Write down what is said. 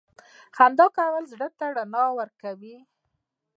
• خندا کول زړه ته رڼا ورکوي.